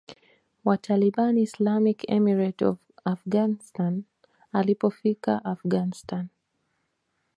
wa Taliban Islamic Emirate of Afghanistan Alipofika Afghanistan